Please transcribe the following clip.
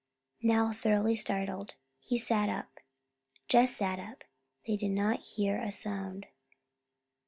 Now thoroughly startled, he sat up; Jess sat up. They did not hear a sound.